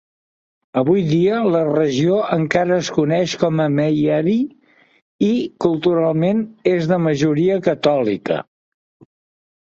Avui dia la regió encara es coneix com a Meierij i, culturalment, és de majoria catòlica.